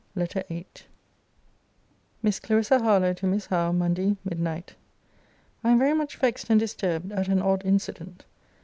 LETTER VIII MISS CLARISSA HARLOWE, TO MISS HOWE MONDAY MIDNIGHT. I am very much vexed and disturbed at an odd incident.